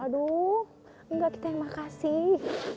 aduh enggak kita yang makasih